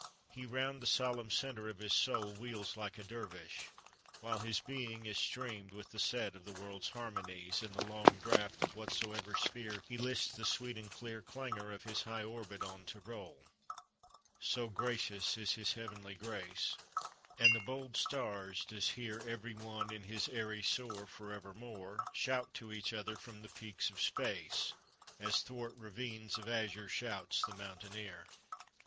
He round the solemn centre of his soul Wheels like a dervish, while his being is Streamed with the set of the world's harmonies, In the long draft of whatsoever sphere He lists the sweet and clear Clangour of his high orbit on to roll, So gracious is his heavenly grace; And the bold stars does hear, Every one in his airy soar, For evermore Shout to each other from the peaks of space, As thwart ravines of azure shouts the mountaineer.